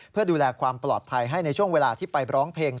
เพื่อดูแลความปลอดภัยให้ในช่วงเวลาที่ไปร้องเพลง